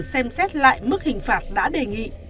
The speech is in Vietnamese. xem xét lại mức hình phạt đã đề nghị